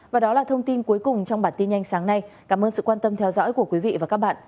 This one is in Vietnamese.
và đó là thông tin cuối cùng trong bản tin nhanh sáng nay cảm ơn sự quan tâm theo dõi của quý vị và các bạn